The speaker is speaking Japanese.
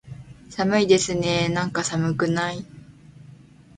寒いですねーなんか、寒くない？